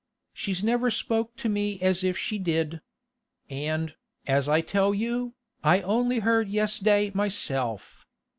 She's never spoke to me as if she did. And, as I tell you, I only heard yes'day myself.